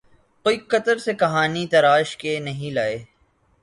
کوئی قطر سے کہانی تراش کے نہیں لائے۔